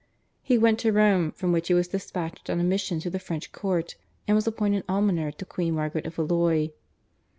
He went to Rome, from which he was despatched on a mission to the French Court, and was appointed almoner to queen Margaret of Valois.